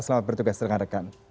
selamat bertugas dengan rekan